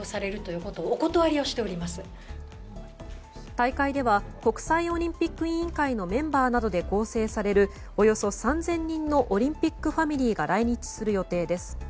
大会では国際オリンピック委員会のメンバーなどで構成されるおよそ３０００人のオリンピックファミリーが来日する予定です。